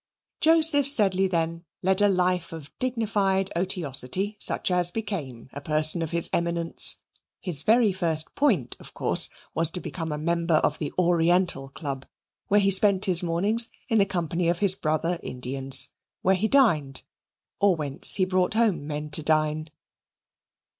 Joseph Sedley then led a life of dignified otiosity such as became a person of his eminence. His very first point, of course, was to become a member of the Oriental Club, where he spent his mornings in the company of his brother Indians, where he dined, or whence he brought home men to dine.